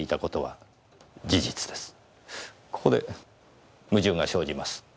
ここで矛盾が生じます。